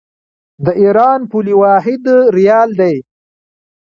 د ایران پولي واحد ریال دی.